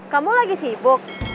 kamu lagi sibuk